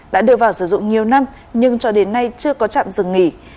đã đưa vào sử dụng nhiều năm nhưng cho đến nay chưa có trạm dừng nghỉ